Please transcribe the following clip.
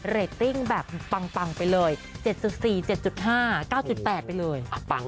เรตติ้งแบบปังไปเลย๗๔๗๕๙๘ไปเลย